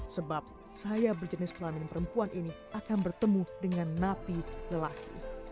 sebab saya berjenis kelamin perempuan ini akan bertemu dengan napi lelaki